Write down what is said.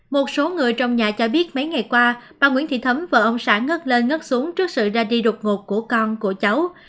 một số người trong nhà cho biết mấy ngày qua bà nguyễn thị thấm và ông sản ngất lên ngất xuống trước sự ra đi đột ngột của con của cháu